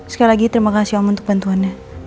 sekali lagi terima kasih om untuk bantuannya